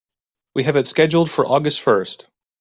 We have it scheduled for August first.